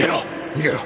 逃げろ！